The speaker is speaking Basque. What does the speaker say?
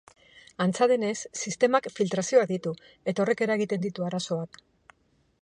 Antza denez, sistemak filtrazioak ditu eta horrek eragiten ditu arazoak.